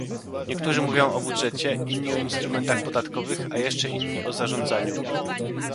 Niektórzy mówią o budżecie, inni o instrumentach podatkowych, a jeszcze inni o zarządzaniu